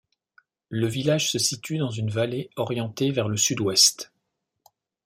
Le village se situe dans une vallée orientée vers le sud-ouest.